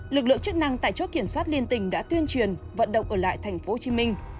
lực lượng chức năng tại chốt kiểm soát liên tỉnh đã tuyên truyền vận động ở lại thành phố hồ chí minh